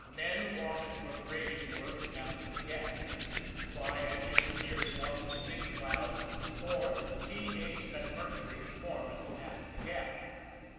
MEN WANTED for grading work at The Gap. Apply at Engineers' Office, Big Cloud, or to T. H. MacMurtrey, foreman, at The Gap.